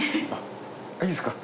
いいですか？